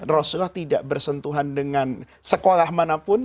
rasulullah tidak bersentuhan dengan sekolah manapun